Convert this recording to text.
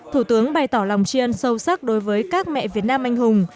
thủ tướng bày tỏ lòng chiên sâu sắc đối với các mẹ việt nam anh hùng